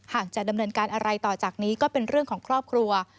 หากจะดำเนินการอะไรต่อจากนี้ก็เป็นเรื่องของครอบครัว